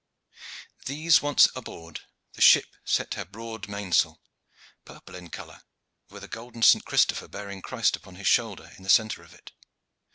These once aboard, the ship set her broad mainsail, purple in color, and with a golden St. Christopher bearing Christ upon his shoulder in the centre of it.